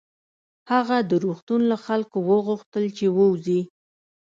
هغه د روغتون له خلکو وغوښتل چې ووځي